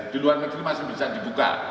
di luar negeri masih bisa dibuka